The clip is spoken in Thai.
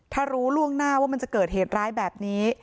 ถ้ารู้ล่วงหน้าว่ามันจะเกิดเหตุร้ายแบบนี้